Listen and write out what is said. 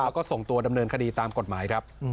แล้วก็ส่งตัวดำเนินคดีตามกฎหมายครับ